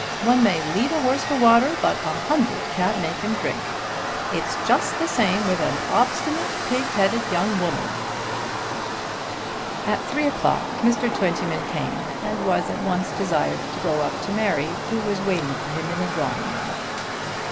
One man may lead a horse to water but a hundred can't make him drink. It's just the same with an obstinate pig headed young woman." At three o'clock Mr. Twentyman came and was at once desired to go up to Mary who was waiting for him in the drawing room. Mrs.